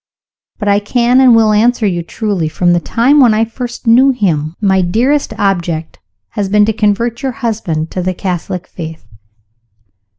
"But I can, and will, answer you truly. From the time when I first knew him, my dearest object has been to convert your husband to the Catholic Faith."